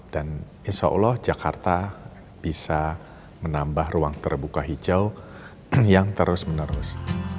dan insya allah jakarta bisa menambah ruang terbuka hijau yang terus menerus